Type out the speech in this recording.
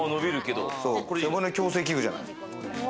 背骨矯正器具じゃない？